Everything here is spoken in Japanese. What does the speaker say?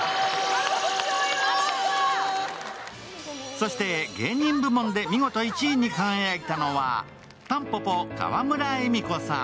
そして芸人部門で見事１位に輝いたのはたんぽぽ・川村エミコさん。